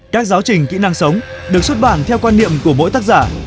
các giáo trình kỹ năng sống được xuất bản theo quan niệm của mỗi tác giả